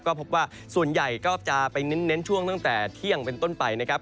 ก็พบว่าส่วนใหญ่ก็จะไปเน้นช่วงตั้งแต่เที่ยงเป็นต้นไปนะครับ